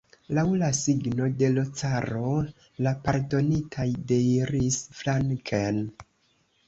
Laŭ la signo de l' caro, la pardonitaj deiris flanken.